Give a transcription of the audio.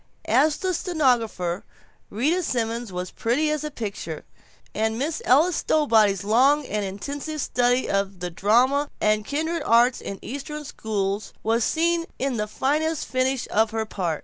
As the stenographer Rita Simons was pretty as a picture, and Miss Ella Stowbody's long and intensive study of the drama and kindred arts in Eastern schools was seen in the fine finish of her part.